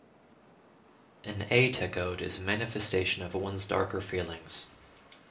An A-Techode is a manifestation of one's darker feelings.